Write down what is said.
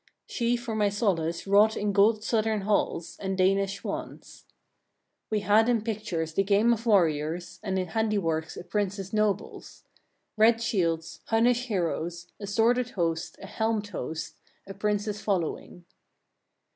14. She for my solace wrought in gold southern halls, and Danish swans. 15. We had in pictures the game of warriors, and in handiworks a prince's nobles; red shields, Hunnish heroes, a sworded host, a helmed host, a prince's following.